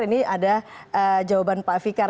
ini ada jawaban pak fikar